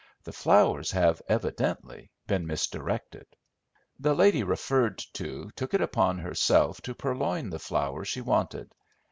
The flowers have evidently been misdirected." The lady referred to took it upon herself to purloin the flower she wanted.